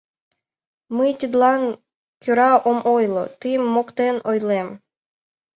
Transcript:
— Мый тидлан кӧра ом ойло: тыйым моктен ойлем.